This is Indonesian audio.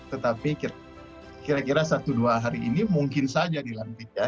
tetapi kira kira satu dua hari ini mungkin saja dilantik ya